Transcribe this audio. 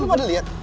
lo gak ada liat